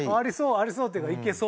ありそうっていうかいけそう。